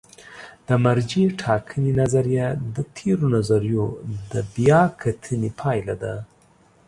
د مرجع ټاکنې نظریه د تېرو نظریو د بیا کتنې پایله ده.